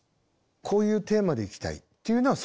こういうテーマでいきたいっていうのはそれはいい。